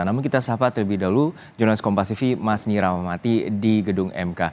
namun kita sahabat lebih dahulu jurnalis kompasivi masni rahmawati di gedung mk